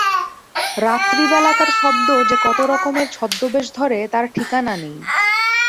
রাত্রিবেলাকার শব্দ যে কতরকমের ছদ্মবেশ ধরে তার ঠিকানা নেই।